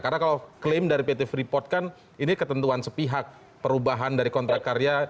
karena kalau klaim dari pt freeport kan ini ketentuan sepihak perubahan dari kontrak karya